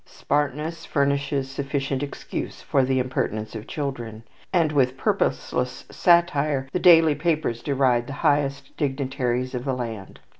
Smartness furnishes sufficient excuse for the impertinence of children, and with purposeless satire the daily papers deride the highest dignitaries of the land.